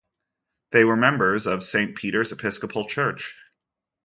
They were members of Saint Peter's Episcopal Church.